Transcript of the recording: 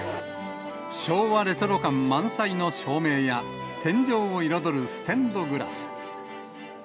昭和レトロ感満載の照明や、天井を彩るステンドグラス。